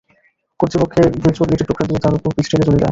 কর্তৃপক্ষ কিছু ইটের টুকরা দিয়ে তার ওপর পিচ ঢেলে চলে যায়।